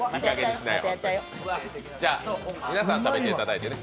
皆さん、食べていただいてね。